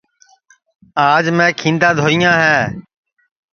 آج میں کھیندا دھوئیاں ہے